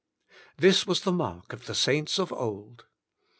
This was the mark of the saints of old.